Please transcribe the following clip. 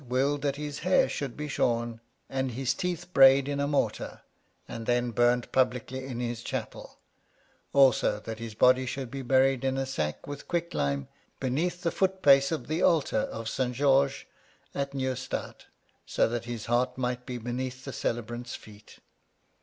willed that his hair should be shorn, and his teeth brayed in a mortar, and then burned publicly in his chapel ; also that his body should be buried in a sack with quicklime, beneath the foot pace of the altar of S. George at Neustadt, so that his heart might be beneath the celebrant's feet.